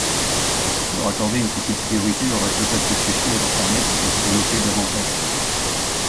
Leur accorder une petite priorité aurait peut-être suffi à leur permettre de se développer davantage.